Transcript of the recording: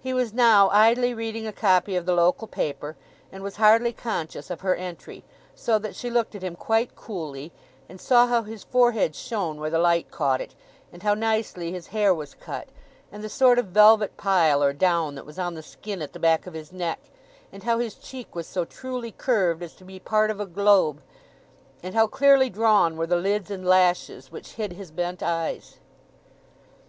He was now idly reading a copy of the local paper, and was hardly conscious of her entry, so that she looked at him quite coolly, and saw how his forehead shone where the light caught it, and how nicely his hair was cut, and the sort of velvet pile or down that was on the skin at the back of his neck, and how his cheek was so truly curved as to be part of a globe, and how clearly drawn were the lids and lashes which hid his bent eyes.